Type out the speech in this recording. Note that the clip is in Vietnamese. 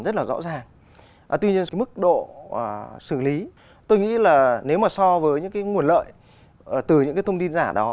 rất rõ ràng tuy nhiên mức độ xử lý tôi nghĩ nếu so với những nguồn lợi từ những thông tin giả đó